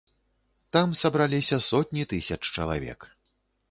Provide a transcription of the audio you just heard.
Там сабраліся сотні тысяч чалавек.